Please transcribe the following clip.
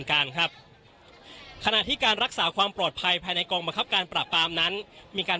การครับขณะที่การรักษาความปลอดภัยภายในกองบังคับการปราบปรามนั้นมีการ